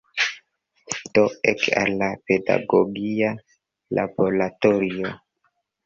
Do ek al la pedagogia laboratorio.